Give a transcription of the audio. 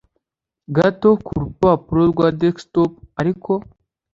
gato kurupapuro rwa desktop ariko